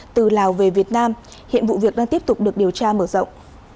từ lào về việt nam hiện vụ việc đang tiếp tục được điều tra mở rộng